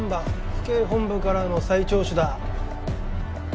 府警本部からの再聴取だ。